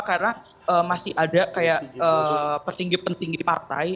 karena masih ada kayak petinggi petinggi partai